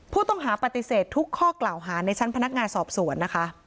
ผู้ต้องหาปฏิเสธทุกข้อกล่าวหาในชั้นพนักงานสอบสวนนะคะ